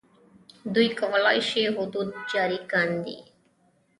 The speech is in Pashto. دوی کولای شي حدود جاري کاندي.